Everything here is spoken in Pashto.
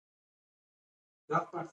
اله اباد ستر ستراتیژیک اهمیت درلود.